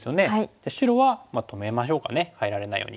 白はまあ止めましょうかね入られないように。